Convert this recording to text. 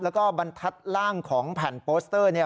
แล้วก็บรรทัดล่างของแผ่นโปสเตอร์